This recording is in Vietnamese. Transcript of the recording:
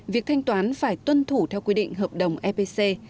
việc thanh toán phải tuân thủ theo quy định hợp đồng epc